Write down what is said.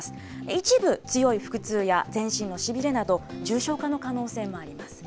一部、強い腹痛や全身のしびれなど、重症化の可能性もあります。